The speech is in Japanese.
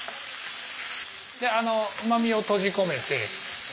でうまみを閉じ込めて。